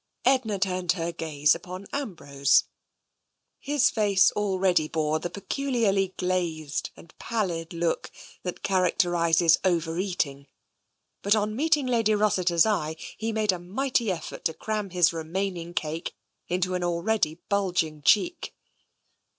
Edna turned her gaze upon Ambrose. His face already bore the peculiarly glazed and pallid look that characterises over eating, but on meeting Lady Rossiter's eye he made a mighty effort to cram his remaining cake into an already bulging cheek.